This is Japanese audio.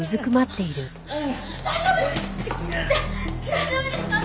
大丈夫ですか？